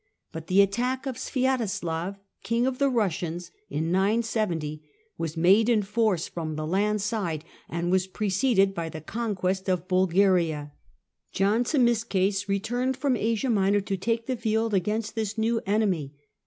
But the attack of Sviatoslav, King of the Eussians, in 970, was made in force from the land side, and was preceded by the conquest of Bulgaria. John Zimisces returned from Asia Minor to take the field against this new enemy.